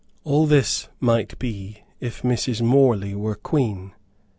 All this might be if Mrs. Morley were Queen.